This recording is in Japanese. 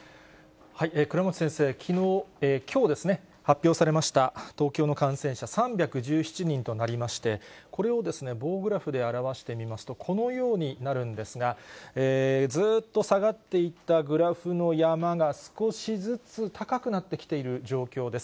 倉持先生、きょう発表されました東京の感染者３１７人となりまして、これを棒グラフで表してみますと、このようになるんですが、ずーっと下がっていったグラフの山が、少しずつ高くなってきている状況です。